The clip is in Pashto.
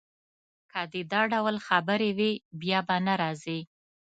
که دي دا ډول خبرې وې، بیا به نه راځې.